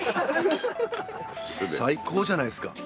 最高じゃないですか！